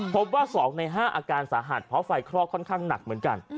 พบว่า๒ใน๕อาการสาหัสเพราะไฟคลอกค่อนข้างหนักเหมือนกัน